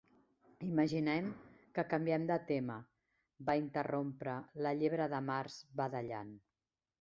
"Imaginem que canviem de tema", va interrompre la Llebre de Març badallant.